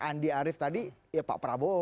andi arief tadi ya pak prabowo